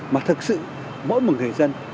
mà thật sự mỗi một người dân